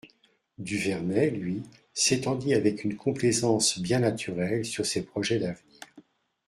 Duvernet, lui, s'étendit avec une complaisance bien naturelle sur ses projets d'avenir.